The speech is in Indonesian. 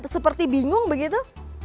seperti bingung begitu